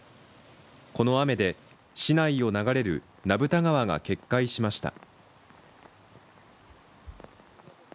この雨で市内を流れる名蓋川が決壊しました。